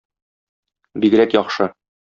Бигрәк яхшы!